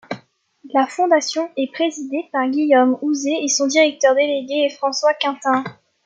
La Fondation est présidée par Guillaume Houzé et son directeur délégué est François Quintin.